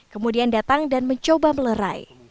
kemudian datang dan mencoba melerai